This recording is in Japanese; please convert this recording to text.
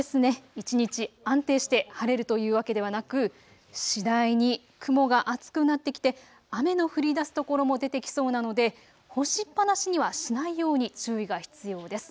ただ一日安定して晴れるというわけではなく、次第に雲が厚くなってきて雨の降りだす所も出てきそうなので干しっぱなしにはしないように注意が必要です。